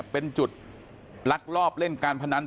เป็นจุดลักลอบเล่นการพนัน